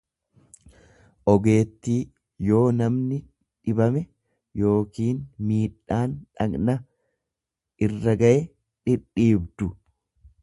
ogeettii yoo namni dhibame yookiin miidhaan dhaqna irra gaye dhi dhiibdu.